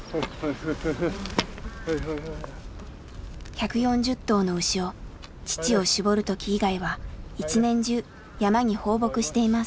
１４０頭の牛を乳を搾る時以外は一年中山に放牧しています。